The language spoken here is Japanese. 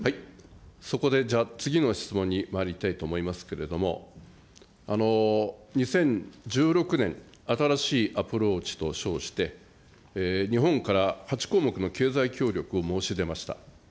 そこで次の質問にまいりたいと思いますけれども、２０１６年、新しいアプローチと称して、日本から８項目の経済協力を申し出ました。